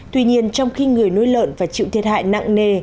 tuy nhiên trong khi người nuôi lợn phải chịu thiệt hại nặng nề